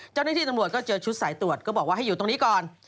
เจ้าหน้าที่ตำรวจก็เจอชุดสายตรวจก็บอกว่าให้อยู่ตรงนี้ก่อน